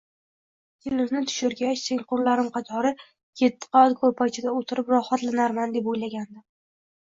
Kelinni tushirgach tengqurlarim qatori etti qavat ko`rpachada o`tirib rohatlanarman, deb o`ylagandim